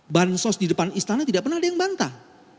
bansos di depan istana tidak pernah ada yang bantah